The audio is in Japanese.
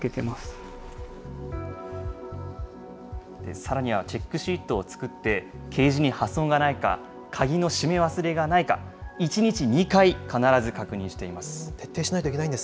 さらにはチェックシートを作って、ケージに破損がないか、鍵の締め忘れがないか、１日２回、徹底しないといけないんです